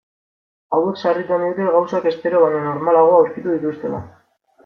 Hauek sarritan diote gauzak espero baino normalago aurkitu dituztela.